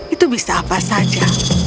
itu bisa apa saja